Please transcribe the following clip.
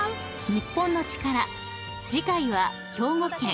『日本のチカラ』次回は兵庫県。